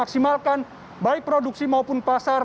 maksimalkan baik produksi maupun pasar